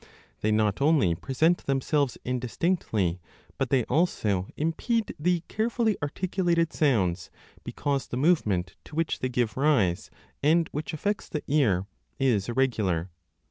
They not only present themselves indistinctly, but they also impede the carefully articulated sounds, because the movement to which they give rise, 1 5 and which affects the ear, is irregular.